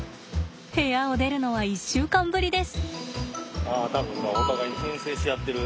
部屋を出るのは１週間ぶりです。